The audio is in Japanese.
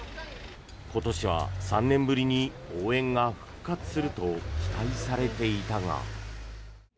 今年は３年ぶりに応援が復活すると期待されていたが。